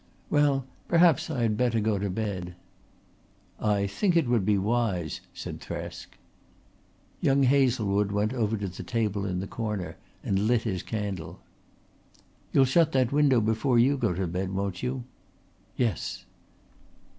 Well, perhaps I had better go to bed." "I think it would be wise," said Thresk. Young Hazlewood went over to the table in the corner and lit his candle. "You'll shut that window before you go to bed, won't you?" "Yes."